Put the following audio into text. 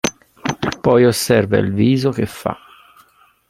Poi osserva il viso che fa.